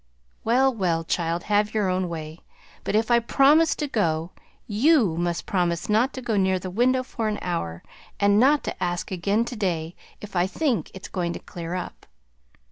"Well, well, child, have your own way. But if I promise to go, YOU must promise not to go near the window for an hour, and not to ask again to day if I think it's going to clear up."